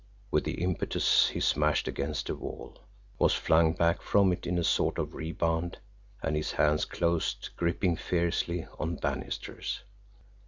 With the impetus he smashed against a wall, was flung back from it in a sort of rebound, and his hands closed, gripping fiercely, on banisters.